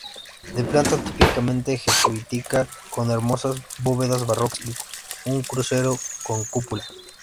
De planta típicamente jesuítica, con hermosas bóvedas barrocas y un crucero con cúpula.